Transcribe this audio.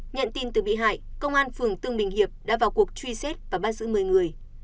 nhận tin từ bị hại công an phường tương bình hiệp đã vào cuộc truy xét và bắt giữ một mươi người